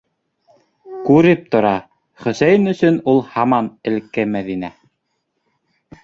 Күреп тора: Хөсәйен өсөн ул һаман элекке Мәҙинә.